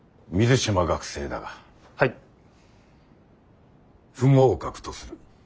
不合格とする。